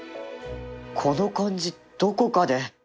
この感じどこかで